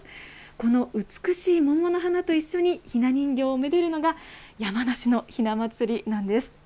この美しい桃の花と一緒にひな人形をめでるのが、山梨のひな祭りなんです。